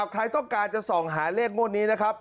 ใครต้องการจะส่องหาเลขงวดนี้นะครับ